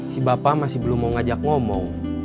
si bapak masih belum mau ngajak ngomong